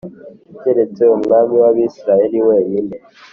keretse umwami w’Abisirayeli wenyine